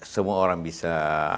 semua orang bisa